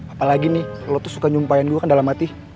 apalagi nih lo tuh suka nyumpahin gue kan dalam hati